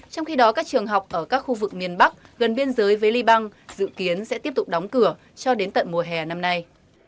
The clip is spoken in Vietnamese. trong khi đó các trường học ở các khu vực miền bắc gần biên giới với liban dự kiến sẽ tiếp tục đóng cửa cho đến tận mùa hè năm nay